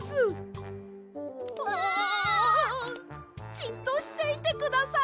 じっとしていてください！